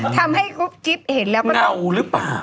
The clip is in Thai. ทำให้กุ๊บจิ๊บเห็นแล้วก็งัวหรือเปล่า